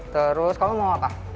terus kamu mau apa